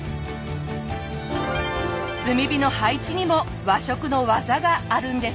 炭火の配置にも和食の技があるんですね。